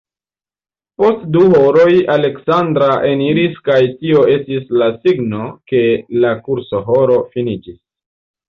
Post du horoj Aleksandra eniris kaj tio estis la signo, ke la kursohoro finiĝis.